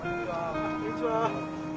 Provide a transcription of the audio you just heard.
こんにちは。